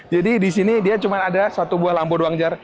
jadi disini dia cuma ada satu buah lampu doang jar